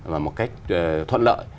và một cách thuận lợi